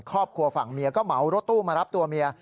ครอบครัวฝั่งเมียก็เหมารถตู้มารับตัวเมีย